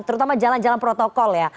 terutama jalan jalan protokol ya